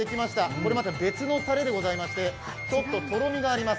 これはまた別のたれでございましてちょっととろみがあります。